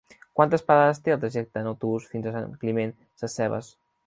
Quantes parades té el trajecte en autobús fins a Sant Climent Sescebes?